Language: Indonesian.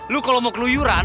lo kalo mau keluyuran